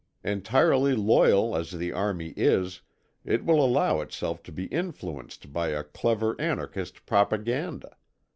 Entirely loyal as the Army is, it will allow itself to be influenced by a clever anarchist propaganda.